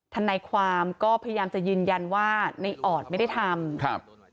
ทนายความก็พยายามจะยืนยันว่าในออดไม่ได้ทำครับ